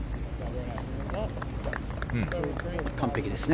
完璧ですね。